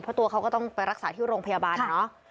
เพราะตัวเขาก็ต้องไปรักษาที่โรงพยาบาลเนอะ